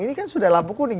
ini kan sudah lampu kuning